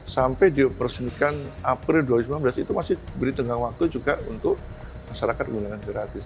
sampai dipersembahkan april dua ribu sembilan belas itu masih beri tengah waktu juga untuk masyarakat gunakan gratis